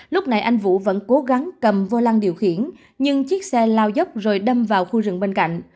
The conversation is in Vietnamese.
lúc này anh vũ vẫn cố gắng cầm vô lăng điều khiển nhưng chiếc xe lao dốc rồi đâm vào khu rừng bên cạnh